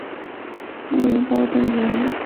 慕容宝等人就带着数千骑兵一同逃返后燕。